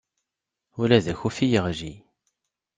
Ula d akufi yeɣli.